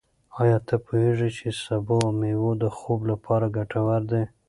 ایا ته پوهېږې چې سبو او مېوې د خوب لپاره ګټور دي؟